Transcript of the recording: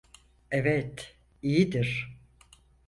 Evet, iyidir.